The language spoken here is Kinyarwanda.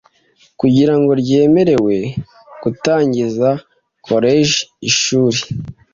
Kugira ngo ryemererwe gutangiza koleji ishuri